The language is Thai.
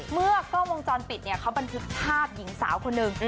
เมื่อกล้องวงจรปิดเนี่ยเขาบันทึกภาพหญิงสาวคนหนึ่ง